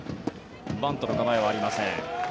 バントの構えはありません。